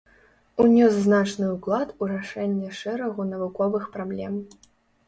Унёс значны ўклад у рашэнне шэрагу навуковых праблем.